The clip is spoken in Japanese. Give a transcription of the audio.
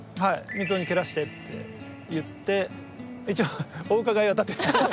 満男に「蹴らして」って言って一応お伺いは立てた。